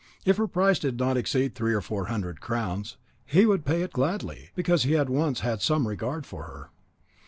If her price did not exceed three or four hundred crowns, he would pay it gladly, because he had once had some regard for her."